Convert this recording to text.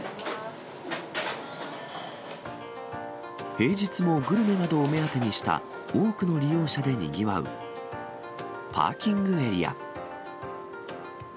平日もグルメなどを目当てにした多くの利用者でにぎわうパーキングエリア。